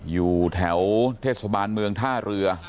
อยู่แถวเทศบาลเมืองท่าเรือ